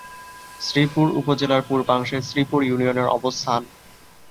শ্রীপুর উপজেলার পূর্বাংশে শ্রীপুর ইউনিয়নের অবস্থান।